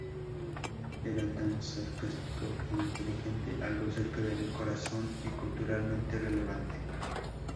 Era tan sarcástico e inteligente, algo cerca de mi corazón y culturalmente relevante.